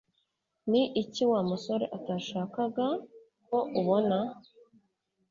Ni iki Wa musore atashakaga ko ubona?